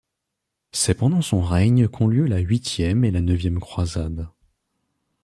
C'est pendant son règne qu'ont lieu la huitième et la neuvième croisade.